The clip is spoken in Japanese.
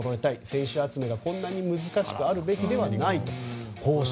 選手集めが、こんなに難しくあるべきでないと。